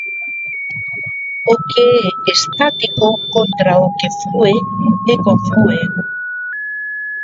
O que é estático contra o que flúe e conflúe.